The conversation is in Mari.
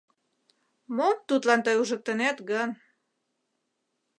Мом тудлан тый ужыктынет гын?